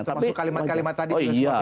masuk kalimat kalimat tadi